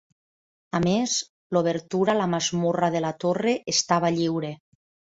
A més, l'obertura a la masmorra de la torre estava lliure.